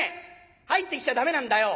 入ってきちゃ駄目なんだよ。